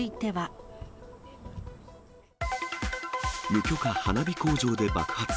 無許可花火工場で爆発。